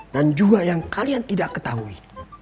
dan juga yang kalian tidak ketahui